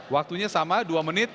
waktunya sama dua menit